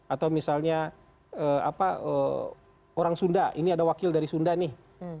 atau misalnya orang sunda ini ada wakil dari sunda nih